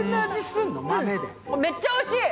めっちゃおいしい。